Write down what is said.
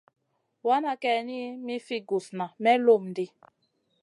Wana kayni mi fi gusna may lum ɗi.